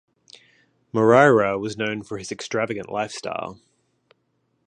Moreira was known for his extravagant lifestyle.